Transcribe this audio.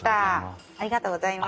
ありがとうございます。